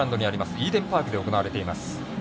イーデンパークで行われています。